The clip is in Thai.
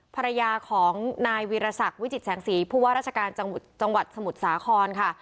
ภรรยาของนายวีรศักดิ์วิจิตแสงสีผู้ว่าราชการจังหวัดสมุทรสาครค่ะ